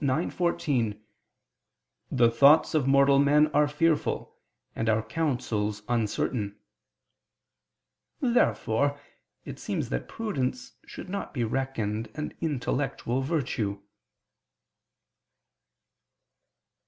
9:14): "The thoughts of mortal men are fearful, and our counsels uncertain." Therefore it seems that prudence should not be reckoned an intellectual virtue.